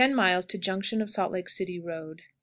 Junction of Salt Lake City Road.